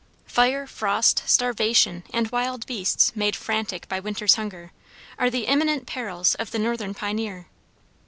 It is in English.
Fire, frost, starvation, and wild beasts made frantic by winter's hunger, are the imminent perils of the northern pioneer!